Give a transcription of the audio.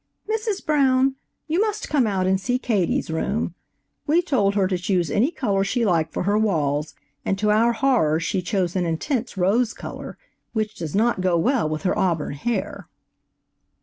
"Mrs. Brown, you must come out and see Katie's room. We told her to choose any color she liked for her walls, and to our horror she chose an intense rose color, which does not go well with her auburn hair."